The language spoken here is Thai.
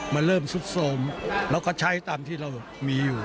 มันเริ่มซุดโทรมแล้วก็ใช้ตามที่เรามีอยู่